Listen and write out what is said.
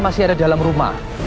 masih ada dalam rumah